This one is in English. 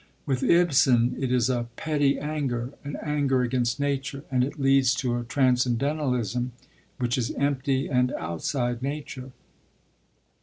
With Ibsen it is a petty anger, an anger against nature, and it leads to a transcendentalism which is empty and outside nature.